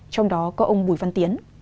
trong đó có ông bùi văn tiến